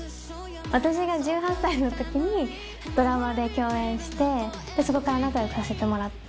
私が１８歳の時にドラマで共演してそこから仲良くさせてもらって。